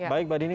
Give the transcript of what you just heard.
baik mbak dini